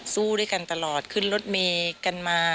สู้ด้วยกันตลอดขึ้นรถเมย์กันมา